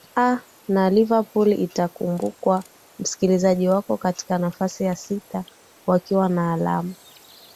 aa na liverpool itakumbukwa msikilizaji wako katika nafasi ya sita wakiwa na alama